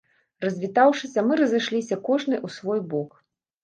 Развітаўшыся, мы разышліся кожны ў свой бок.